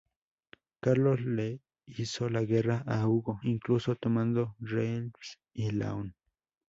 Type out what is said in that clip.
Carlos le hizo la guerra a Hugo, incluso tomando Reims y Laon.